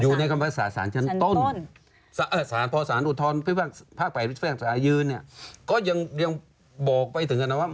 อยู่ในคำพิภาคศาลศาลชันต้นศาลพ่อศาลอุทธรรมภาคป่ายศาลยืนก็ยังบอกไปถึงกันนะว่า